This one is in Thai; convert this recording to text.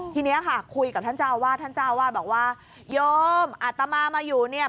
ทีนี้ค่ะคุยกับท่านเจ้าอาวาสท่านเจ้าวาดบอกว่าโยมอาตมามาอยู่เนี่ย